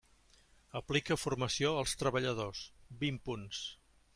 Aplica formació als treballadors, vint punts.